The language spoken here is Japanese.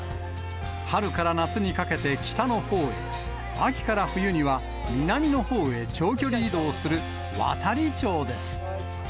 春から夏にかけて北のほうへ、秋から冬には南のほうへ長距離移動する渡りちょうです。